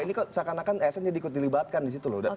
ini kok seakan akan asn jadi ikut dilibatkan di situ loh